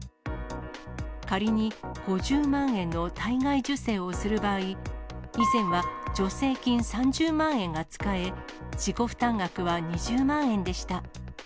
仮に、５０万円の体外受精をする場合、以前は助成金３０万円が使え、自己負担額は２０万円でした。